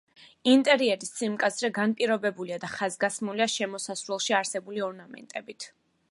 ინტერიერის სიმკაცრე განპირობებულია და ხაზგასმულია შემოსასვლელში არსებული ორნამენტებით.